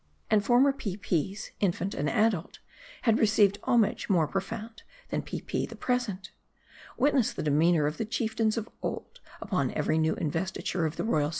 And former Peepies, infant and adult, had received homage more pro found, than Peepi the Present. Witness the demeanor of the chieftains of old, upon every new investiture of the royal M A R D I.